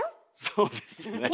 そうですね。